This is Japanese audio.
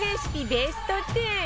ベスト１０